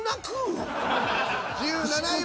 １７位は。